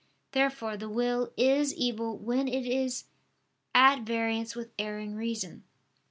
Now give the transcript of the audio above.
Therefore the will is evil when it is at variance with erring reason.